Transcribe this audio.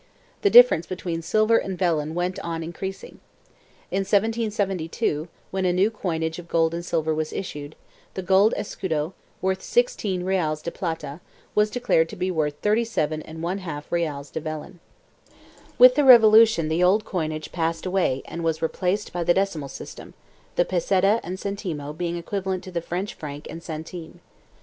The difference between silver and vellon went on increasing. In 1772, when a new coinage of gold and silver was issued, the gold escudo, worth 16 reabs de plata, was declared to be worth 37J reales de vellon. With the Revolution the old coinage passed away and was replaced by the decimal system, the peseta and centimo being equivalent to the French franc and centime.